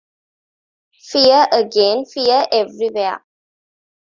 Fear again: fear everywhere.